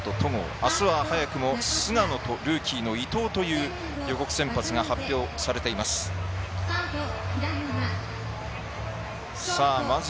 あすは早くも菅野とルーキーの伊藤という予告先発が発表されています。